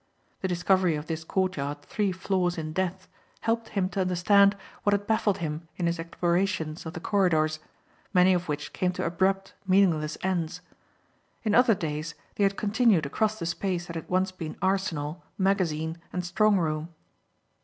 The discovery of this courtyard three floors in depth helped him to understand what had baffled him in his explorations of the corridors many of which came to abrupt meaningless ends. In other days they had continued across the space that had once been arsenal, magazine and strong room.